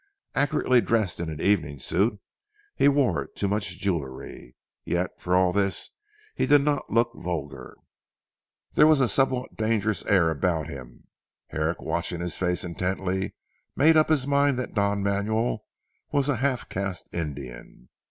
Accurately dressed in an evening suit, he wore too much jewellery. Yet for all this he did not look vulgar. There was a somewhat dangerous air about him. Herrick watching his face intently made up his mind that Don Manuel was a half caste Indian.